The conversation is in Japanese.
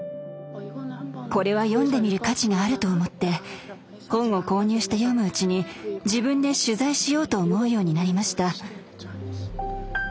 これは読んでみる価値があると思って本を購入して読むうちに自分で取材しようと思うようになりました。